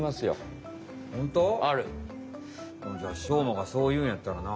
ホント？じゃしょうまがそういうんやったらな。